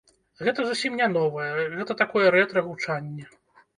Гэта зусім не новае, гэта такое рэтра-гучанне.